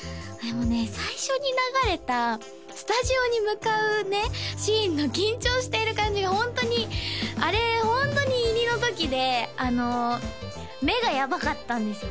もうね最初に流れたスタジオに向かうねシーンの緊張している感じがホントにあれホントに入りのときであの目がやばかったんですよ